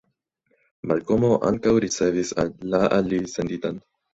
Malkomo ankaŭ ricevis la al li senditan.